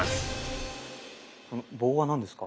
その棒は何ですか？